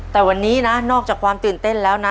แต่วันนี้นะนอกจากความตื่นเต้นแล้วนะ